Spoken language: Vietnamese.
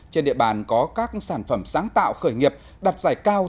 trên địa bàn có các sản phẩm sáng tạo khởi nghiệp đặt giải cao